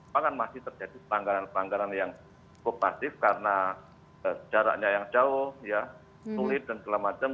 bahkan masih terjadi pelanggaran pelanggaran yang cukup pasif karena jaraknya yang jauh sulit dan segala macam